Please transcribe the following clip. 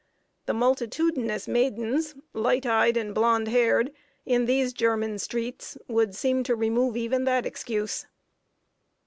The multitudinous maidens light eyed and blonde haired in these German streets, would seem to remove even that excuse.